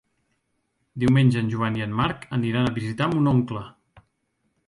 Diumenge en Joan i en Marc aniran a visitar mon oncle.